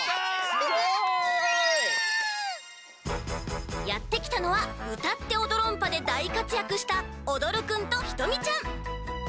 すごい。やってきたのは「うたっておどろんぱ！」でだいかつやくしたおどるくんとひとみちゃん。